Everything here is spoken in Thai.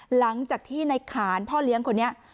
หลังจากที่ในขานพ่อเลี้ยงคนนี้